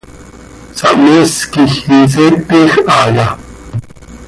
¿Sahmees quij inseetej haaya?